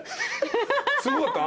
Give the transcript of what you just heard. すごかった？